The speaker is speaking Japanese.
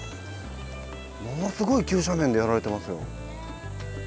ものすごい急斜面でやられてますよ。